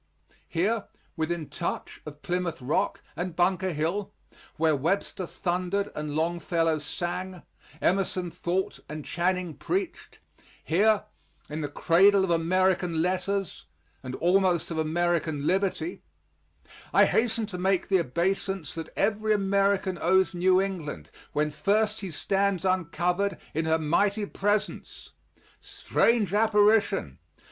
Here within touch of Plymouth Rock and Bunker Hill where Webster thundered and Longfellow sang, Emerson thought and Channing preached here, in the cradle of American letters and almost of American liberty, I hasten to make the obeisance that every American owes New England when first he stands uncovered in her mighty presence. Strange apparition!